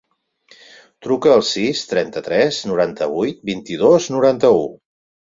Truca al sis, trenta-tres, noranta-vuit, vint-i-dos, noranta-u.